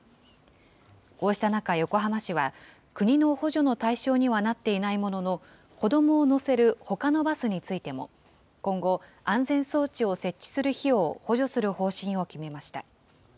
こうした中、横浜市は国の補助の対象にはなっていないものの、子どもを乗せるほかのバスについても、今後、安全装置を設置する費用を補助する方針を決めました。